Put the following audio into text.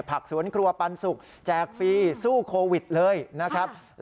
ผักสวนครัวปันสุกแจกฟรีสู้โควิดเลยนะครับ